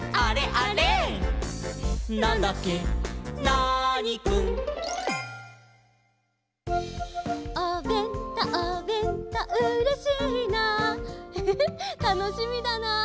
ナーニくん」おべんとおべんとうれしいなフフフたのしみだな。